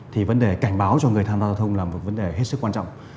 thì vấn đề cảnh báo cho người tham gia giao thông là một vấn đề hết sức quan trọng